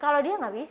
kalau dia nggak bisa